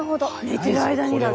寝てる間にだ！